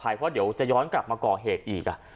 เพราะเดี๋ยวจะย้อนกลับมาก่อเหตุอีก